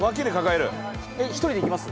１人でいけます？